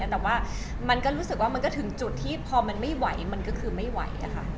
แต่ว่ามันก็รู้สึกว่ามันก็ถึงจุดที่พอมันไม่ไหวมันก็คือไม่ไหว